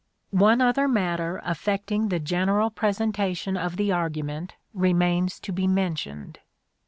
One other matter affecting the general presentation 22 INTRODUCTION of the argument remains to be mentioned.